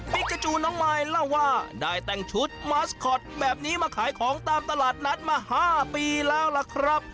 กาจูน้องมายเล่าว่าได้แต่งชุดมาสคอตแบบนี้มาขายของตามตลาดนัดมา๕ปีแล้วล่ะครับ